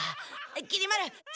きり丸次！